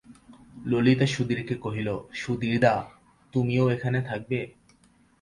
ললিতা সুধীরকে কহিল, সুধীরদা, তুমিও এখানে থাকবে?